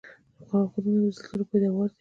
غرونه د زلزلو پیداوار دي.